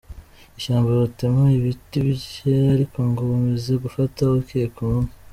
ishyamba batema ibiti bye ariko ngo bamaze gufata ukekwa umwe.